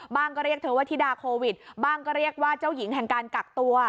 ก็เรียกเธอว่าธิดาโควิดบ้างก็เรียกว่าเจ้าหญิงแห่งการกักตัว